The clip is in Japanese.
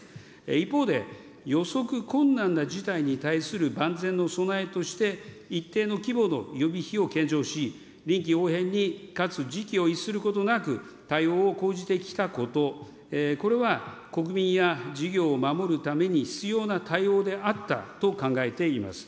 一方で、予測困難な事態に対する万全の備えとして一定の規模の予備費を計上し、臨機応変にかつ時期を逸することなく対応を講じてきたこと、これは、国民や事業を守るために必要な対応であったと考えています。